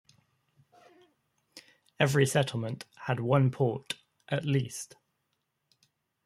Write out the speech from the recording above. Every settlement had one port, at least.